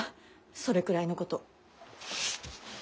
それくらいのこと。